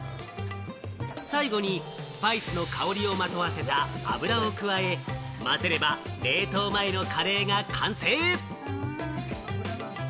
最後にスパイスの香りをまとわせた油を加え、混ぜれば冷凍前のカレーが完成。